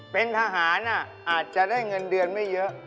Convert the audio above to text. เป็นทหารอาจจะได้เงินเดือนไม่เยอะ